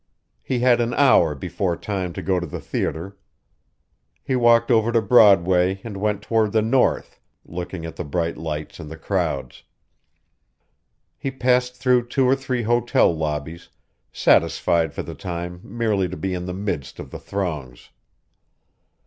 He had an hour before time to go to the theater. He walked over to Broadway and went toward the north, looking at the bright lights and the crowds. He passed through two or three hotel lobbies, satisfied for the time merely to be in the midst of the throngs.